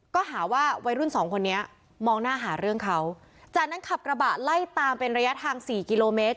ก็หาว่าวัยรุ่นสองคนนี้มองหน้าหาเรื่องเขาจากนั้นขับกระบะไล่ตามเป็นระยะทางสี่กิโลเมตร